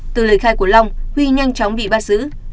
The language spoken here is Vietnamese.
từ lời khai của long huy nhanh chóng bị bắt giữ